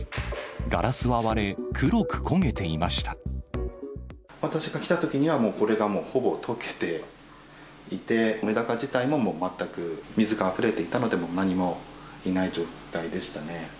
ガラスは割れ、私が来たときには、これがもうほぼ溶けていて、メダカ自体ももう全く水があふれていたので、何もいない状態でしたね。